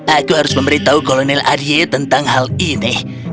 aku harus memberitahu kolonel arye tentang hal ini